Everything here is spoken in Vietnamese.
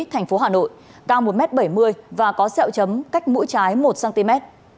thành phố hà nội cao một m bảy mươi và có sẹo chấm cách mũi trái một cm